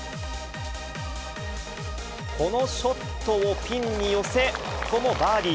このショットをピンに寄せ、ここもバーディー。